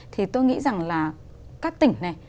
thì tôi nghĩ rằng là các tỉnh này